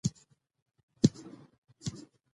ازادي راډیو د اقلیتونه د مثبتو اړخونو یادونه کړې.